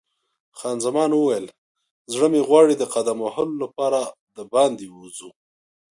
خان زمان وویل: زړه مې غواړي د قدم وهلو لپاره باندې ووځو.